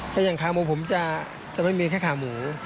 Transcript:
แต่อย่างขาหมูผมจะไม่มีแค่ขาหมู